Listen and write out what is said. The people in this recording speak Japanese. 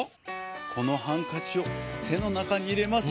このハンカチをてのなかにいれます。